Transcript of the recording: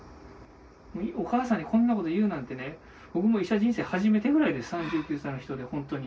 もうお母さんにこんなこと言うなんてね、僕も医者人生初めてぐらいです、３９歳の人で、本当に。